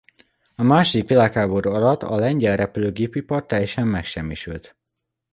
A második világháború alatt a lengyel repülőgépipar teljesen megsemmisült.